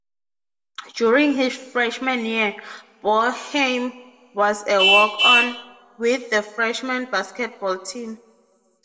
During his freshman year, Boeheim was a walk-on with the freshman basketball team.